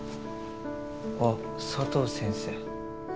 あっ佐藤先生。